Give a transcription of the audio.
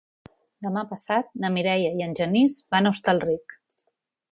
Demà passat na Mireia i en Genís van a Hostalric.